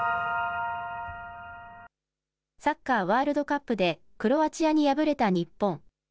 サッカーワールドカップで、クロアチアに敗れた日本。